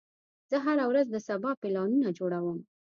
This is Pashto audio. زه هره ورځ د سبا پلانونه جوړوم.